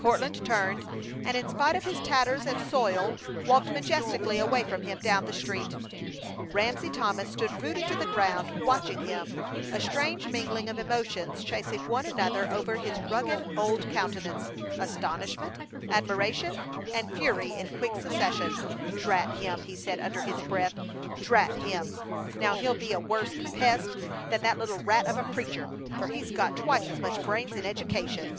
Courtland turned, and in spite of his tatters and soil walked majestically away from him down the street. Ramsey Thomas stood rooted to the ground, watching him, a strange mingling of emotions chasing one another over his rugged old countenance: astonishment, admiration, and fury in quick succession. "Drat him!" he said, under his breath. "Drat him! Now he'll be a worse pest than that little rat of a preacher, for he's got twice as much brains and education!"